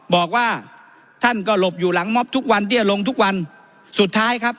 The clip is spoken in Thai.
บอกว่าท่านก็หลบอยู่หลังม็อบทุกวันเตี้ยลงทุกวันสุดท้ายครับ